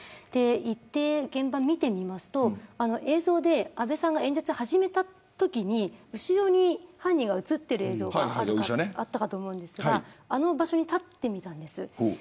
行って現場を見てみますと映像で安倍さんが演説を始めたときに後ろに犯人が映っている映像があったかと思いますがあの場所に立ってみたんです。